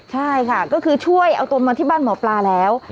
ใช่ค่ะก็คือช่วยเอาตัวมาที่บ้านหมอปลาแล้ว